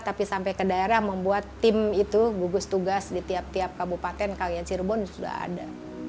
tapi sampai ke daerah membuat tim itu gugus tugas di tiap tiap kabupaten kalian cirebon sudah ada